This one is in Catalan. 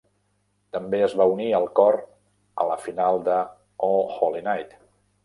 També es va unir al cor a la final de "O Holy Night".